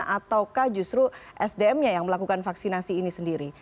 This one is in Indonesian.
ataukah justru sdm nya yang melakukan vaksinasi ini sendiri